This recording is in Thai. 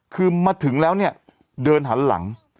คือมาถึงแล้วเนี่ยเดินหันหลัง